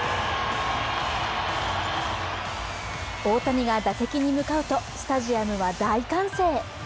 大谷が打席に向かうとスタジアムは大歓声。